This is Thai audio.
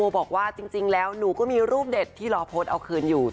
บอกว่าจริงแล้วหนูก็มีรูปเด็ดที่รอโพสต์เอาคืนอยู่